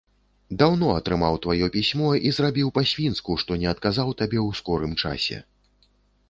Даўно атрымаў тваё пісьмо і зрабіў па-свінску, што не адказаў табе ў скорым часе.